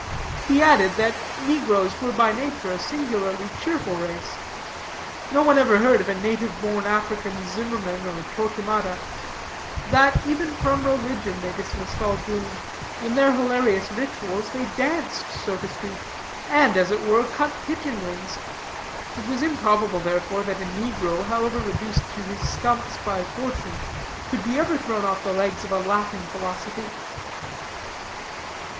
He added that negroes were by nature a singularly cheerful race; no one ever heard of a native born African Zimmermann or Torquemada; that even from religion they dismissed all gloom; in their hilarious rituals they danced, so to speak, and, as it were, cut pigeon wings. It was improbable, therefore, that a negro, however reduced to his stumps by fortune, could be ever thrown off the legs of a laughing philosophy.